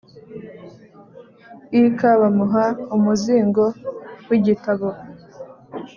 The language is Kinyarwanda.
lk bamuha umuzingo w igitabo